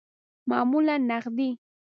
معمولاً نغدی